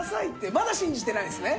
まだ信じてないんですね？